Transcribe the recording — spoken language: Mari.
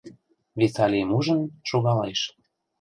Виталийым ужын, шогалеш.